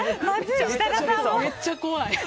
めっちゃ怖い。